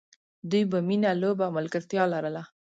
دوی به مینه، لوبه او ملګرتیا لرله.